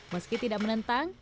meski tidak menentang